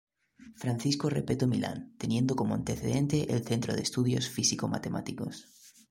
Francisco Repetto Milán, teniendo como antecedente el Centro de Estudios Físico-Matemáticos.